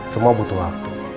semua butuh waktu